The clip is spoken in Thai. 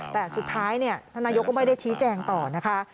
แต่สุดท้ายท่านนายกก็ไม่ได้ชี้แจงต่อนะคะ